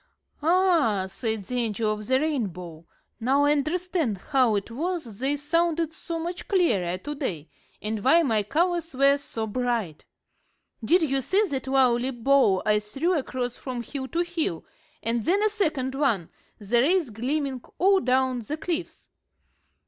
"Ah," said the Angel of the Rainbow, "now I understand how it was they sounded so much clearer to day, and why my colors were so bright. Did you see the lovely bow I threw across from hill to hill, and then a second one, the rays gleaming all down the cliffs?